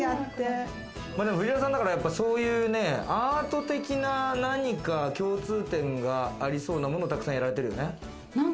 藤原さん、だからそういうアート的な何か共通点がありそうなものを、たくさんやられてるよね。